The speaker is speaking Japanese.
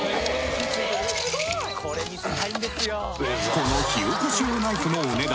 この火起こし用ナイフのお値段